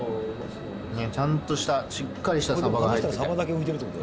ちゃんとしたしっかりしたサバが入ってる。